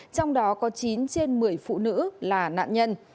trong đó có chín trên một mươi phụ nữ là nạn nhân